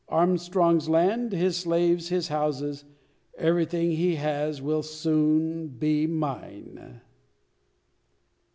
Armstrong's land, his slaves, his houses, everything he has, will soon be mine!"